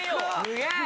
すげえ！